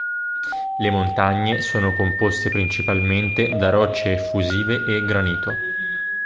Le montagne sono composte principalmente da rocce effusive e granito.